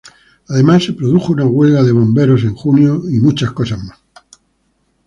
Además se produjo una huelga de bomberos en junio y muchas cosas más.